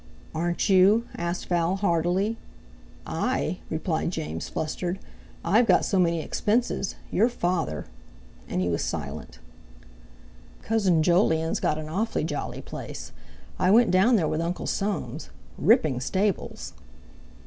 "Aren't you?" asked Val hardily. "I?" replied James, flustered. "I've got so many expenses. Your father...." and he was silent. "Cousin Jolyon's got an awfully jolly place. I went down there with Uncle Soames—ripping stables."